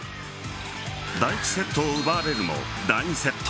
第１セットを奪われるも第２セット